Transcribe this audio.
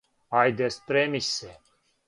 Ајде, спреми се.